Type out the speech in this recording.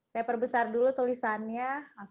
saya perbesar dulu tulisannya